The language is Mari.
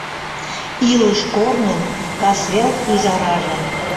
Илыш корнын касвел ӱжараже